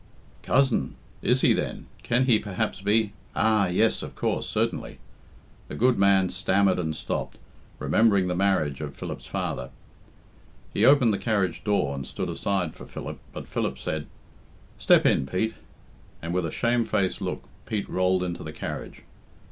"Cousin! Is he, then can he perhaps be Ah! yes, of course, certainly " The good man stammered and stopped, remembering the marriage of Philip's father. He opened the carriage door and stood aside for Philip, but Philip said "Step in, Pete;" and, with a shamefaced look, Pete rolled into the carriage.